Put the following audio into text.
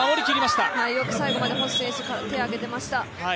最後まで星選手、よく手を挙げていました。